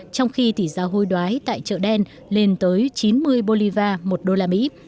trong khi tỷ giá hối đoái tại chợ đen lên tới chín mươi bolivar một đô la mỹ